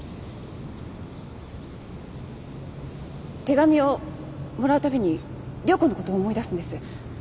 手紙をもらうたびに涼子のこと思い出すんです